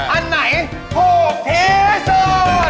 อันไหนถูกที่สุด